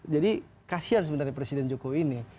jadi kasian sebenarnya presiden joko ini